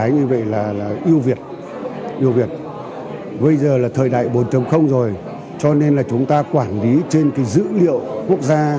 nhiều việc nhiều việc bây giờ là thời đại bốn rồi cho nên là chúng ta quản lý trên cái dữ liệu quốc gia